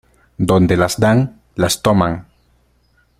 Donde las dan las toman.